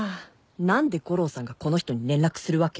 何で悟郎さんがこの人に連絡するわけ？